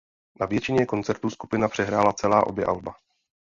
Na většině koncertů skupina přehrála celá obě alba.